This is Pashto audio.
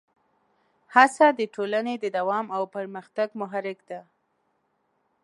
هڅه د ټولنې د دوام او پرمختګ محرک ده.